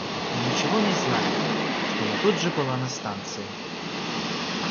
Мы ничего не знали, что она тут же была на станции.